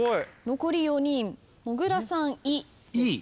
残り４人もぐらさん「い」「い」